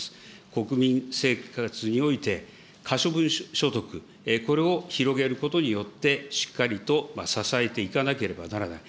国民生活において可処分所得、これを広げることによって、しっかりと支えていかなければならない。